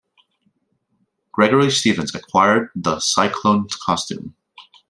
Gregory Stevens acquired the Cyclone costume.